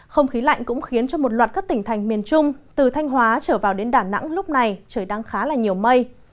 không khí lạnh cũng khiến cho một loạt các tỉnh thành miền trung từ thanh hóa trở vào đến đà nẵng lúc này trời đang khá là nhiều mây